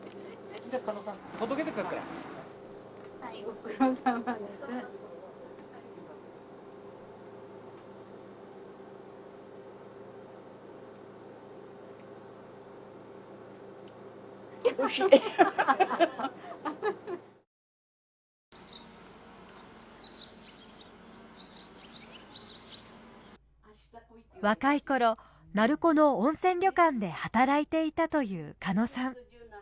鳴子の温泉旅館で働いていたという鹿野さん。